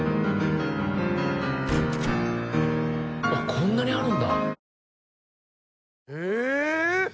こんなにあるんだ！